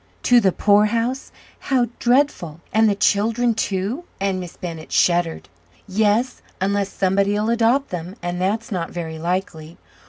"To the poorhouse! how dreadful! And the children, too?" and Miss Bennett shuddered. "Yes; unless somebody'll adopt them, and that's not very likely.